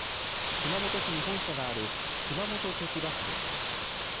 熊本市に本社がある熊本都市バスです。